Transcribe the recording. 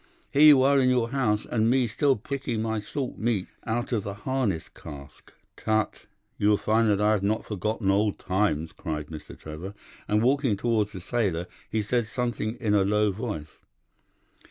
Here you are in your house, and me still picking my salt meat out of the harness cask.' "'Tut, you will find that I have not forgotten old times,' cried Mr. Trevor, and, walking towards the sailor, he said something in a low voice.